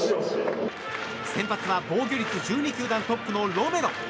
先発は防御率１２球団トップのロメロ。